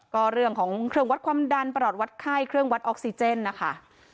ก็เรื่องของเครื่องวัดความดันประหลอดวัดไข้เครื่องวัดออกซิเจนนะคะ